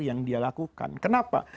yang dia lakukan kenapa